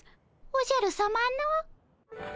おじゃるさまの？